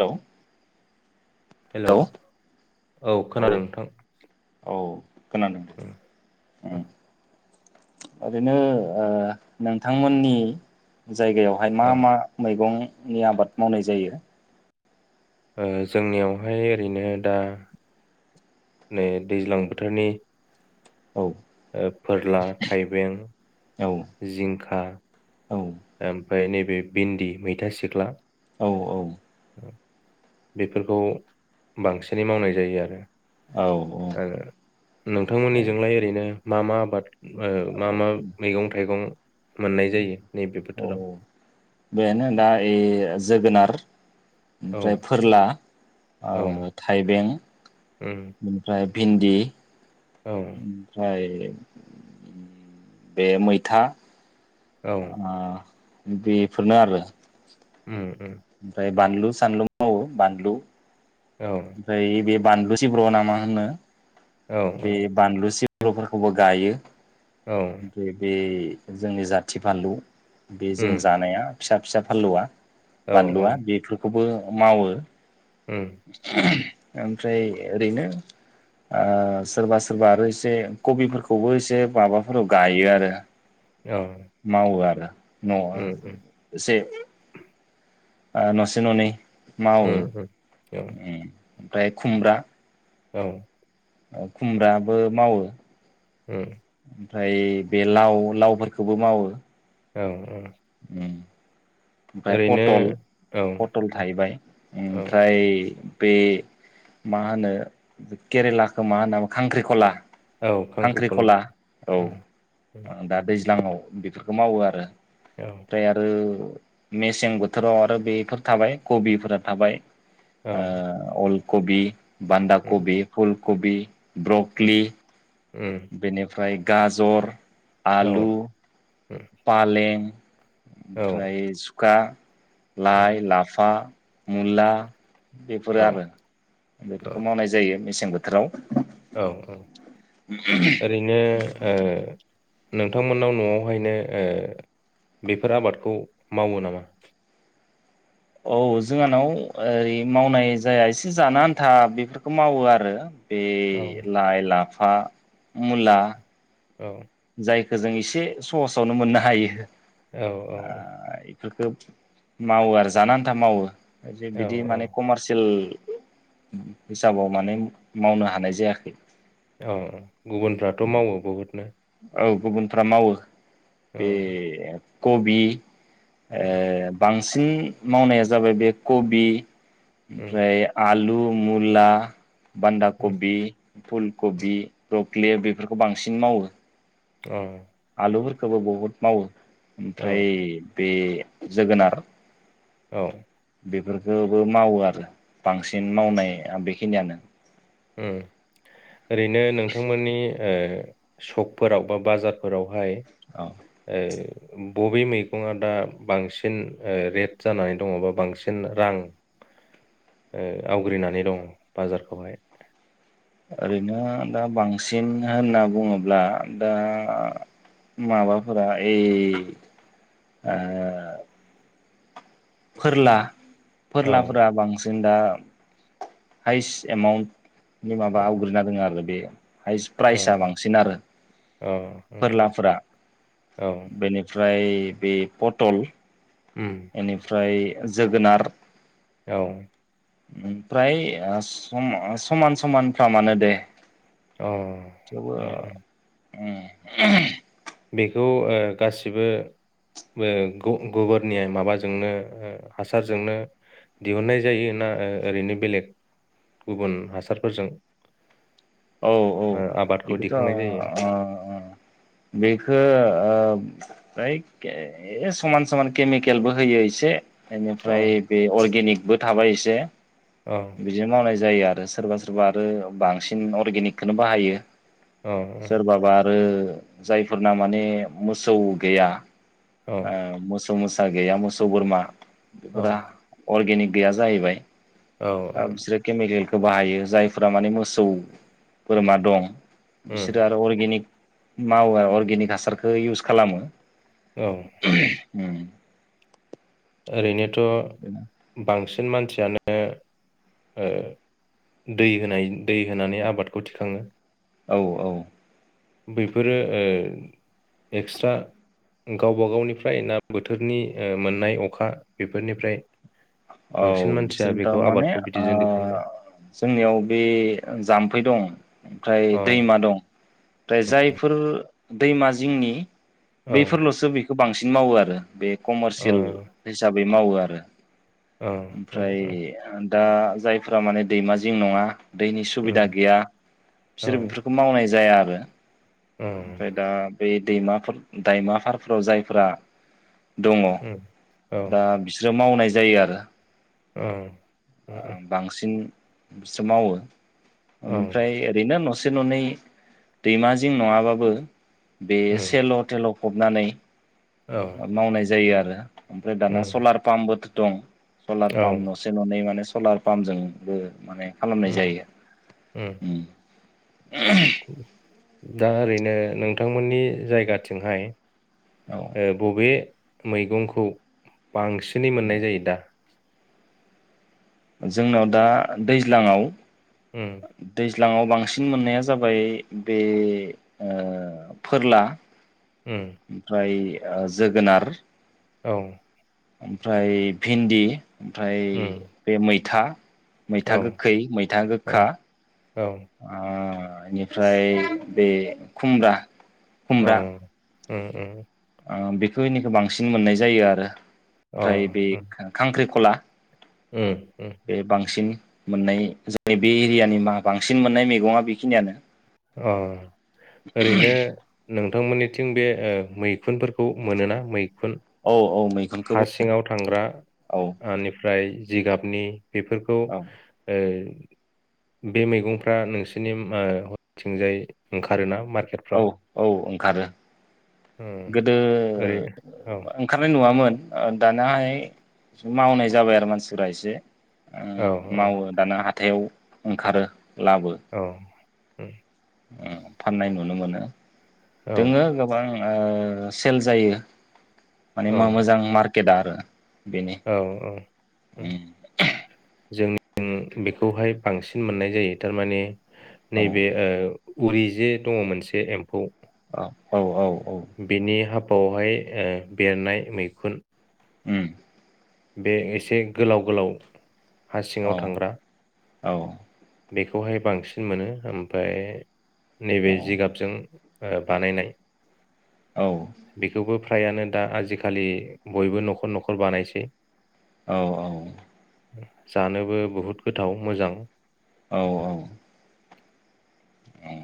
Hello hello औ खोनादों नोंथां औ उम, ओरैनोओह नोंथांमोननि जायगायावहाय मा औ मा मैगं नि आबाद मावनाय जायो। ओह जोंनियावहाय ओरैनो दा नै दैज्लां बोथोरनि औ ओ फोरला थाइबें औ जिंखा औ ओम ओमफ्राय नैबे भिन्दि मैथा सिख्ला औ औ बेफोरखौ बांसिनै मावनाय जायो आरो औ ओमफ्राय ओ नोंथांमोननिजोंलाय ओरैनो मा मा आबाद ओ मा मा मैगं थाइगं मोननाय जायो नैबे औ बोथोराव औ बेनो दा ऐ जोगोनार [inaudible] औ ओमफ्राय फोरला औ ओ थाइबें उम बेनिफ्राय भिन्दि औ ओमफ्राय बे मैथा औ उम अ बेफोरनो आरो ओ ओ ओमफ्राय बानलु सानलु मावो बानलु औ ओमफ्राय बे बानलु सिब्र ना मा होनो औ बे बानलु सि आलुफोरखौबो गायो [unintelligible] जोंनि जाथि फानलु बे जों उम जानाया फिसा फिसा फाललुवा औ बानलआ बेफो खौबो मावो। उम। ओमफ्राय ओरैनो ओ सोरबा सोरबा आरो एसे कबिफोरखौबो एसे माबाफोराव गायो आरो। औ मावो आरो। नङा उम उम जे ओ नसे ननै मावो। उम उम औ। उम ओमफ्राय खुमब्रा औ। खुमब्राबो मावो उम। ओमफ्राय बे लाव लावफोरखौबो मावो औ औ। उम। ओमफ्राय ओरैनो पटल औ पटल औ थाहैबाय औ ओमफ्राय बे मा होनो केरेलाखौ मा होनो खांख्रिखला खांख्रिखला औ उम उम दा दै ज्लाङाव बेफोरखौ मावो आरो औ ओमफ्राय आरो मेसें बोथोराव आरो बेफोर थाबाय कबिफोरा थाबाय औ ओ अल कबि बान्धा उम कबि फुल कबि उम ब्रकलि उम बेनिफ्राय गाजर औ आलु उम फालें औ ओमफ्राय अखा उम लाइ लाफा मुला बेफोरो औ आरो बेफोरखौ मावनाय जायो। मेसें बोथोराव औ औ ओरैनो ओ नोंथांमोननाव न'आवहायनो ओ बेफोर आबादखौ मावो नामा? औ जोंहानाव ओरै मावनाय जाया एसे जानो आन्था बेफोरखौ मावो आरो बे औ लाय लाफा लाफा मुला औ ‌। जायखौ जों इसे सहसावनो मोननो हायो औ औ। फोरखौ मावो आरो जानो आन्था मावो। जे बिदि औ औ माने कमारसियेल हिसाबाव माने मावनो हानाय जायाखै। औ औ गुबुनफ्राथ' मावो बहुदनो? औ गुबुनफ्रा मावो औ बे कबि ए उम बां सिन मावनाया जाबाय बे कबि उम ओमफ्राय आलु मुला बान्धा उम कबि फुल कबि ब्रक्ले बेफोरखौ बांसिन मावो। अ। आलुफोरखौबो बुहुत मावो। औ ओमफ्राय बे‌ जोगोनार औ। बेफोरखौबो मावो आरो बांसिन मावनाय आ बेखिनियानो। ओ ओरैनो नोंथांमोननि ओ सकफोराव बा बाजारफोरावहाय औ ए बबे मैगंआ दा बांसिन रेट जानानै दङ बा बांसिन रां ओ आवग्रिनानै दं बाजारफ्रावहाय? ओरैनो दा बांसिन होनना बुङोब्ला दा माबाफोरा ओइ ओ फोरला औ बोरलाफोरा बांस जोंदा हायेस्ट एमाउन्टनि माबा आवग्रिना दङ आरो बे हायस्ट औ प्राइसआ बांसिन आरो फोरलाफोरा औ बेनिफ्राय बे पटल उम एनिफ्राय जोगोनार औ ओमफ्राय ओ समा समान समानफ्रामानो दे अ ओ ओ उ बेखौ ओ गासिबो बो ग गबोरनिया माबाजोंनो हासारजोंनो दिहुननाय जायोना ओरैनो बेलेग गुबुन हासारफोरजों औ-औ ओ आबादखौ बेखौथ' दिखांनाय जायो अ-अ-अ बे खो ओ [unintelligible] समान समान केमिकेलबो होयो एसे अ बेनिफ्राय बे अर्गेनिक बो थाबाय एसे अ बिदिनो मावनाय जायो आरो सोरबा सोरबा आरो बांसिन अर्गेनिकखौनो बाहायो औ सोरबाबा आरो जायफोरना माने मोसौ गैया औ आ मोसौ मोसा गैया मोसौ, बोरमा औ [unintelligible] अर्गेनिक गैया जाहैबाय औ आ बिसोर केमिकेल बायो जायफोरा माने मोसौ बोरमा दं उम बिसोरो आरो अर्गेनिक मावो आरो अर्गेनिक हासारखौ इउस खालामो औ उम ओरैनो थ' बांसिन मानसियानो दै होनाय दै होनानै आबादखौ थिखाङो औ-औ बैफोरो ओ एक्सट्रा गावबा गावनिफ्राय ना बोथोरनि ओ मोननाय अखा बेफोरनिफ्राय औ बांसिन मानसिया बिसोर बेखौ टारमाने आबादखौ ओ बिदिजों दिखाङो जोंनियाव बे ओ जाम्फै दं। ओमफ्राय औ दैमा दं। फ्राय जायफोर दैमा जिंनि औ बैफोरल'सो बेख खौ बांसिन मावो आरो बे औ कमारसियेल हिसाब बे मावो आरो औ उम ओमफ्राय उम आन दा जायफ्रा माने दैमा जिं नङा दैनि सुबिदा उम गैया औ बिसोरो बेफोरखौ मावनाय जाया आर बा उम ओमफ्राय दा बे दैमाफोर दायमा फारफोराव जायफोरा दङ उम औ दा बिसरोम मावनाय जायो आरो [inaudible] अ ओम बांसिन सोमावो औ ओमफ्राय ओरैनो नस से ननै दैमा जिं नङाबाबो बे उम सेल हटेलाव फबनानै औ ओ मावनाय ज जायो आरो ओमफ्राय दाना उम सलार पाम बो दं सलार औ पाम्प नसे ननै मानोस सलार पाम्पजोंबो माने खालामनाय उम जायो उम [inaudible] दा ओरैनो नोंथांमोननि जायगाथिंहाय औ ओ बबे मैगंखौ बांसिनै मोननाय जायो दा। जोंनाव दा दैज्लाङआव ओम। लांङाव बांसिन मोननाया जाबाय बे ओ फोरला। उम ओमफ्राय ओ जोगोनार। औ। ओमफ्राय भिन्दि। ओमफ्राय उम बे मै था मैथा औ गोखै मैथा औ गोखा। औ अ इनिफ्राय बे खुमब्रा। औ। खुमब्रा उम उम। ओ बेखिनिखौ बांसिन मोननाय जायो आरो। अ ओमफ्राय बे उम खांख्रिखला। उम उम बे बांसिन मोननाय जोंनि बे एरियानि मा बांसिन मोननाय मैगंआ बेखिनियानो। अ। ओरैनो नों नोंथांमोननिथिं बे ओ मैखुनफोरखौ मोनोना मैखुन? औ। औ हा मैखुनखौबो सिङाव औ थांग्रानिफ्राय जिगाबनि। बेफोरखौ। औ बे मैगंफ्रा नोंसोरनि हरैथिंजाय ओंखारोना? औ मार्केटफ्राव? औ ओंखारो उम गोदो ओरै औ ओंखारनाय नुआमोन। ओ दानाहाय मावनाय जाबाय आरो मानसिफोरा एसे। औ ओं मावो दाना हा हाथायाव ओंखारो। लाबो औ। ओ फाननाय नुनो मोनो। औ दोङो गोबां। ओ सेल जायो माने मा मोजां मार्क केदार औ औ उम जों जों बेखौहाय बांसिन मोननाय जायो थारमाने औ नैबे ओ उरि जे दङ मोनसे एम्फौ औ औ औ औ बावहाय ओ बेरनाय मैखुन उम बे एसे गोलाव गोलाव हा सिङाव औ थांग्रा औ बेखौहाय बांसिन मोनो ओमफ्राय नैबे जिगाबजों बानायनाय बेखौबो फ्रायानो दा आजिखालि बयबो नखर नखर बानायसै। औ औ जानोबो बहुत गोथाव मोजां। औ औ उम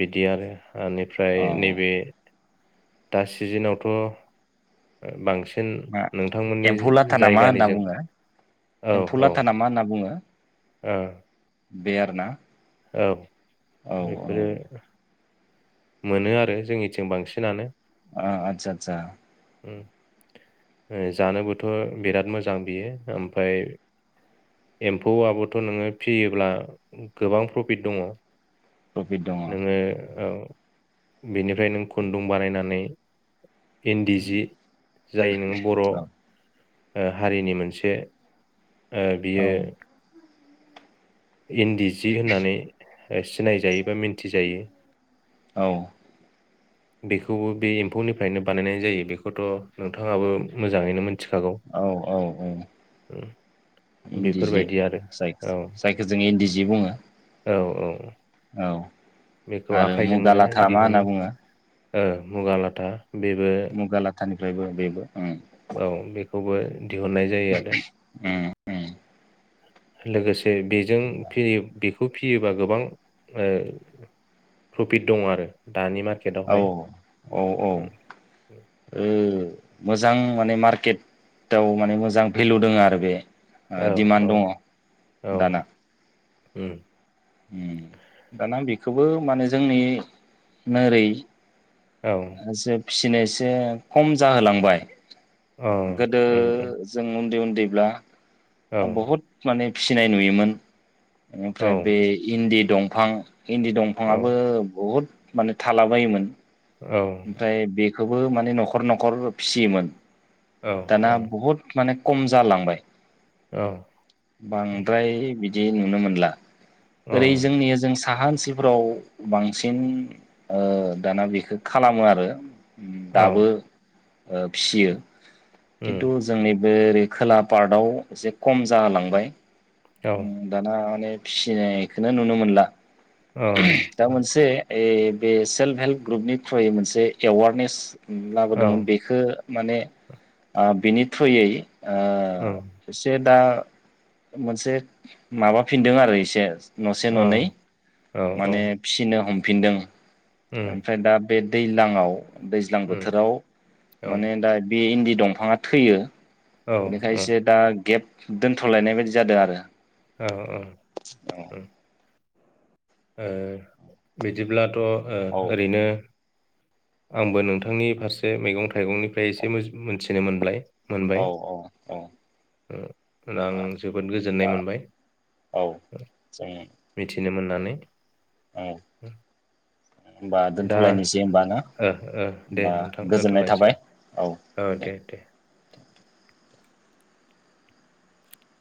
बिदि आरो बेनिफ्राय नैबे दा सिजेनावथ बांसिन मा नोंथांमोननि एम्फौ लाथानामा होनना जायगानिजों बुङो औ एम्फौ औ लाथानामा होनना बुङो। ओ बे आरोना। औ औ बेफोरो औ मोनो आरो जोंनिथिं बांसिनानो। अ आतसा आतसा जानोबोथ बिराद मोजां बियो ओमफ्राय एम्फौआबोथ' नोङो फियोब्ला गोबां प्रफिट दंङ। प्रफिट दङ नोङो ओ बेनिफ्राय नों खुन्दुं बानायनानै इन्दि जि जाय नोङो बर ओ औ हारिनि मोनसे ओ औ बियो इन्दि जि होननानै सिनायजायो बा मिन्थिजायो। औ बेखौबो बे एम्फौनिफ्रायनो बानायनाय जायो बेखौथ नोंथाङाबो मोजाङैनो मोन औ औ औ उम, इन्दि जि बेफोरबायदि आरो जाय औ जाय जों इन्दि जि बुङो औ औ औ बेखौ आरो मुगा आखाइजोंनो लाथा मा होनना दिहुनो बुङो। ओ मुगा लाथा। बेबो मुगा लाथानिफ्रायबो बेबो उम औ बेखौबो दिहुननाय जायो आरो उम उम लोगोसे बेजों फियो बि फियोबा गोबां ओ प्रफिट दङ आरो दानि मा औ औ औ ओ उम, मो जां माने मार्केटआव माने मोजां भेलु दोङो आरो बे ओ औ दिमान्ड औ दङ औ दाना उम उम दाना बेखौबो माने जोंनि नोरै औ एसे फिसिनाया एसे खम जाहोलांबाय औ गोदो उम उम जों उन्दै उ न्दैब्ला औ बहुत माने फिनाय नुयोमोन। औ एनिफ्राय बे इन्दि दंफां इन्दि औ दंफाङाबो बहुद माने थालाबायोमोन‌। औ ओमफ्राय बे खौबो माने न'खर न'खर फिसियोमोन। औ दाना बहुत माने खम जालांबाय। औ बांद्राय बिदि जे नुनो मोनला। औ ओरै अ जोंनिया जों साहा मानसिफ्राव बांसिन ओ दाना बेखौ खालामो आरो। औ दाबो। फिसियो। खिन्थु उम जोंनि बे ओरै खोला पार्टआव एसे खम जालांबाय। औ दाना माने फिसिनायखोनो नुनो मोनला। अ ओम। ऐ बे सेल्फ हेल्प ग्रुपनि थ्रयै मोनसे एवारनेस। उम औ लाबोदोंमोन बेखो। माने ओ बिनि थ्रुयै। उम उम ओ एसेब दा मोनसे माबाफिनदों आरो एसे। न'से ननै औ माने उम फिनो हमब फिनदों। ओमफ्राय दाब बे दैलांङाव। दैज्लां बोथोराव माने दा बे इदिन दंफाङा थैयो। बेनिखायसो दा गेप दोनथ'लायनाय बायदि जादों आरो। औ औ उम। ओ बिदिब्लाथ थ ओ औ ओरैनो। आंबो नोंथांनि फारसे मैगं थाइगंनिफ्राय एसे मोज मोनथिनो मोनब्लाय। मोनबाय औ औ उम आं जोबोद गोजोननाय बा मोनबाय औ उम मिथिनो मोन नानै। होनोमबा दा दोनथ'लायनोसै हमबा ना ओ ओ दे होमबा नोंथां गोजोननाय दोनथ'लायनोसै थाबाय औ दे।